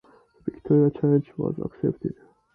The Victoria challenge was accepted.